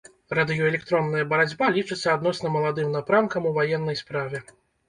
Радыёэлектронная барацьба лічыцца адносна маладым напрамкам у ваеннай справе.